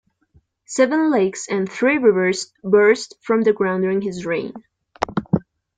Seven lakes and three rivers burst from the ground during his reign.